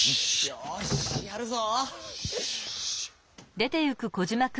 よしやるぞ！